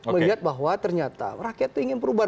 melihat bahwa ternyata rakyat itu ingin perubahan